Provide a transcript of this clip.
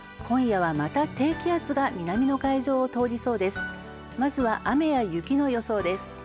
今夜はまた低気圧が南の海上を通りそうです。